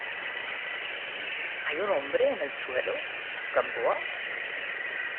hay un hombre en el suelo. ¿ Gamboa?